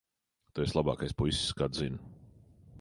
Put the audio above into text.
Tu esi labākais puisis, kādu zinu.